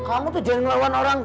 kamu tuh jangan melawan orang tua